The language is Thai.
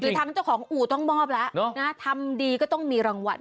คือทางเจ้าของอู่ต้องมอบแล้วนะทำดีก็ต้องมีรางวัล